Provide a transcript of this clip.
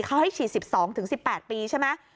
เขาให้ฉีด๑๒๑๘ปีใช่ไหม